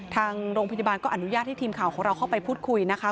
ทางโรงพยาบาลก็อนุญาตให้ทีมข่าวของเราเข้าไปพูดคุยนะคะ